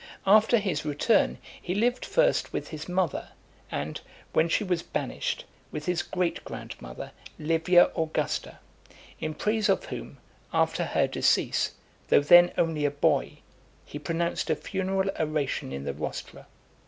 After his return, he lived first with his mother, and, when she was banished, with his great grandmother, Livia Augusta, in praise of whom, after her decease, though then only a boy, he pronounced a funeral oration in the Rostra.